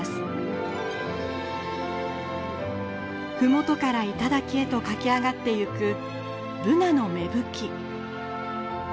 麓から頂へと駆け上がってゆくブナの芽吹き。